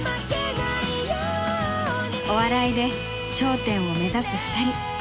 お笑いで頂点を目指す２人。